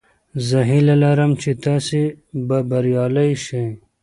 زه هیله لرم چې تاسې به بریالي شئ.